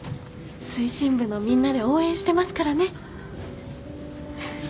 推進部のみんなで応援してますからね。